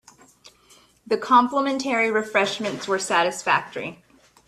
The complimentary refreshments were satisfactory.